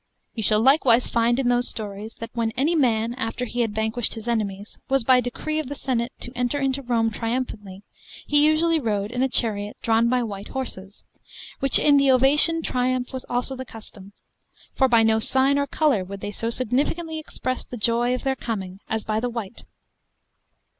You shall likewise find in those stories, that when any man, after he had vanquished his enemies, was by decree of the senate to enter into Rome triumphantly, he usually rode in a chariot drawn by white horses: which in the ovation triumph was also the custom; for by no sign or colour would they so significantly express the joy of their coming as by the white.